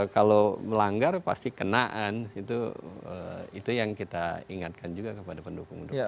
kalau melanggar pasti kenaan itu yang kita ingatkan juga kepada pendukung pendukung